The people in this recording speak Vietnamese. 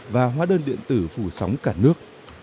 và hóa đơn điện tử phủ sóng cả nước